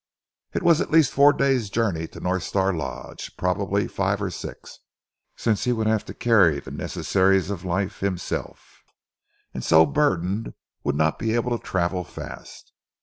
It was at least four days' journey to North Star Lodge, probably five or six, since he would have to carry the necessaries of life himself, and so burdened would not be able to travel fast.